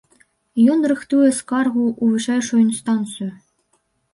Ён рыхтуе скаргу ў вышэйшую інстанцыю.